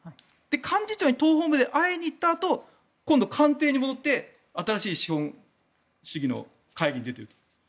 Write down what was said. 幹事長に党本部で会いに行ったあと官邸に戻って新しい資本主義の会議に出ている。